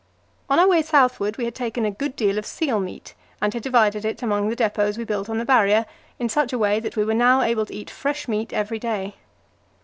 On our way southward we had taken a good deal of seal meat and had divided it among the depots we built on the Barrier in such a way that we were now able to eat fresh meat every day.